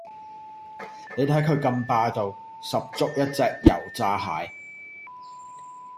你睇佢咁霸道，十足一隻油炸蟹